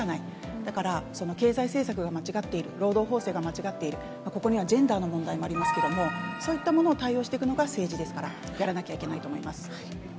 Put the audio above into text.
だから、経済政策が間違っている、労働法制が間違っている、ここにはジェンダーの問題もありますけど、そういったものを対応していくのが政治ですから、やらなきゃいけないと思います。